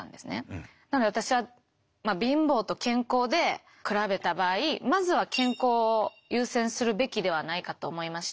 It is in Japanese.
なので私は貧乏と健康で比べた場合まずは健康を優先するべきではないかと思いました。